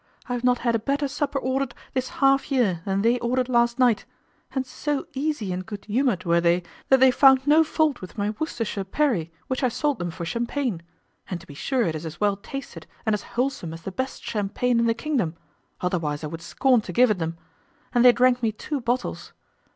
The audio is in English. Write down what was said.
I have not had a better supper ordered this half year than they ordered last night; and so easy and good humoured were they, that they found no fault with my Worcestershire perry, which I sold them for champagne; and to be sure it is as well tasted and as wholesome as the best champagne in the kingdom, otherwise I would scorn to give it 'em; and they drank me two bottles.